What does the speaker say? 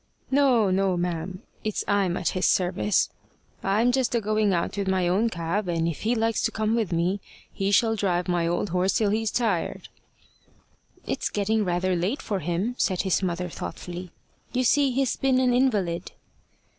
"No, no, ma'am; it's I'm at his service. I'm just a going out with my own cab, and if he likes to come with me, he shall drive my old horse till he's tired." "It's getting rather late for him," said his mother thoughtfully. "You see he's been an invalid."